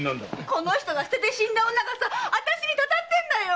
この人が捨てて死んだ女が私に祟ってるんだよ！